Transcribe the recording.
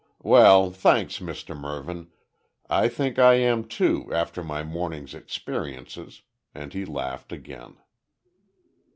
"Well, thanks, Mr Mervyn, I think I am too, after my morning's experiences," and he laughed again.